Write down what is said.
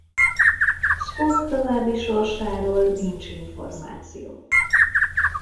Spock további sorsáról nincs információ.